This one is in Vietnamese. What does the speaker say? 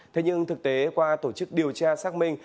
thế nhưng thực tế qua tổ chức điều tra xác minh